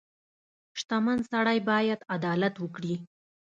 • شتمن سړی باید عدالت وکړي.